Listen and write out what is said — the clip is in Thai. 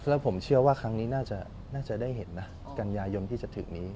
แล้วผมเชื่อว่าครั้งนี้น่าจะได้เห็นนะกันยายนที่จะถึงนี้